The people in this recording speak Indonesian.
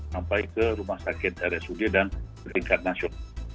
sampai ke rumah sakit rsud dan tingkat nasional